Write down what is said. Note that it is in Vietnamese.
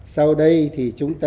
sau đây thì chúng ta